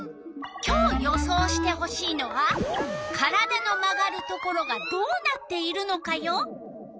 今日予想してほしいのは「体の曲がるところがどうなっているのか」よ。